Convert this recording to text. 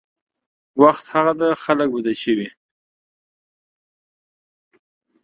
وخت هغه ده خلک بدل شوي